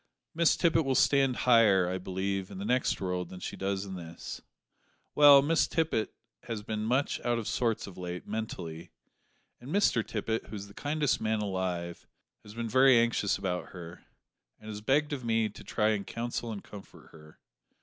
Miss Tippet will stand higher, I believe, in the next world than she does in this. Well, Miss Tippet has been much out of sorts of late, mentally; and Mr Tippet, who is the kindest man alive, has been very anxious about her, and has begged of me to try to counsel and comfort her.